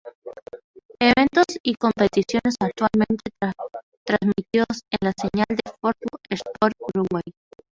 Eventos y competiciones actualmente transmitidos en la señal de Fox Sports Uruguay.